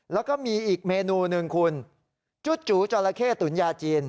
แล้วก็มีอีกเมนูหนึ่งคุณจุจราเข้ตุ๋นยาจีน